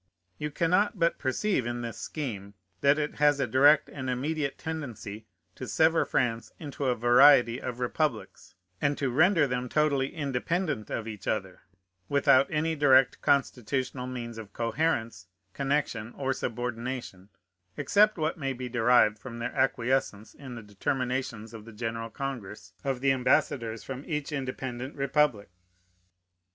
You cannot but perceive in this scheme, that it has a direct and immediate tendency to sever France into a variety of republics, and to render them totally independent of each other, without any direct constitutional means of coherence, connection, or subordination, except what may be derived from their acquiescence in the determinations of the general congress of the ambassadors from each independent republic.